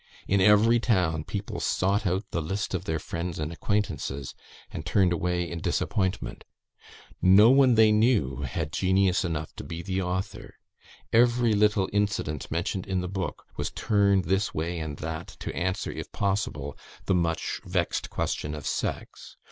In every town people sought out the list of their friends and acquaintances, and turned away in disappointment. No one they knew had genius enough to be the author. Every little incident mentioned in the book was turned this way and that to answer, if possible, the much vexed question of sex.